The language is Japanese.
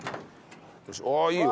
ああいいよ。